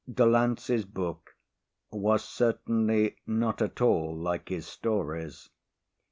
Delancey's book was certainly not at all like his stories.